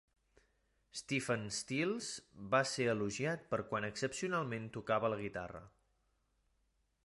Stephen Stills va ser elogiat per quan excepcionalment tocava la guitarra.